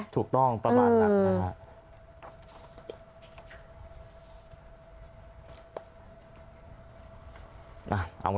ถูกต้องประมาณนั้นนะครับ